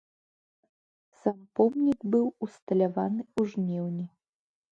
Сам помнік быў усталяваны ў жніўні.